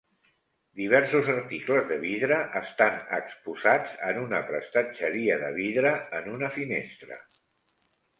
Diversos articles de vidre estan exposats en una prestatgeria de vidre en una finestra.